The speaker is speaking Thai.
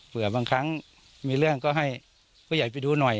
บางครั้งมีเรื่องก็ให้ผู้ใหญ่ไปดูหน่อย